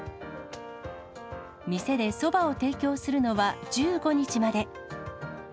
店でそばを提供するのは、１５日まで。